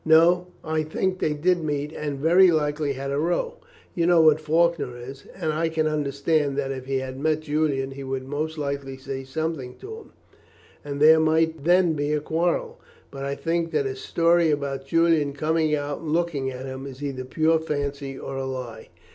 No, I think they did meet, and very likely had a row. You know what Faulkner is; and I can understand that if he met Julian he would most likely say something to him, and there might then be a quarrel; but I think that his story about Julian coming out and looking at him is either pure fancy or a lie.